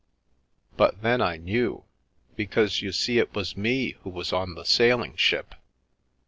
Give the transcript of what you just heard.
But then I knew, because you see it was me who was on the sailing ship.